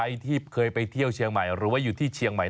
ใครที่เคยไปเที่ยวเชียงใหม่หรือว่าอยู่ที่เชียงใหม่